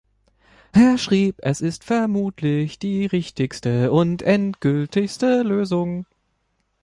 Er schrieb Es ist vermutlich die richtigste und endgültigste Lösung.